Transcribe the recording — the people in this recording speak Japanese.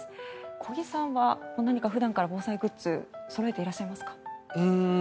小木さんは何か普段から防災グッズそろえていらっしゃいますか？